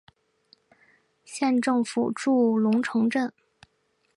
县政府驻龙城镇。